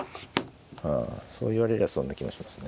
そう言われりゃそんな気もしますね。